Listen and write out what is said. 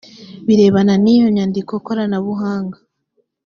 birebana n iyo nyandiko koranabuhanga